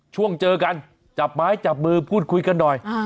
ช่วงเจอกันจับไม้จับมือพูดคุยกันหน่อย